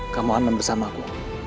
kamu aman bersama aku